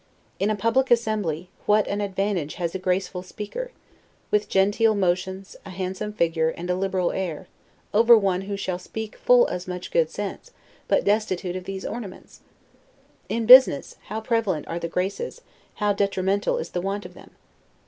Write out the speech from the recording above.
In a public assembly, what an advantage has a graceful speaker, with genteel motions, a handsome figure, and a liberal air, over one who shall speak full as much good sense, but destitute of these ornaments? In business, how prevalent are the graces, how detrimental is the want of them?